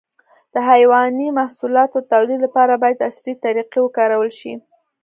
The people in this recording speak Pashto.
د حيواني محصولاتو د تولید لپاره باید عصري طریقې وکارول شي.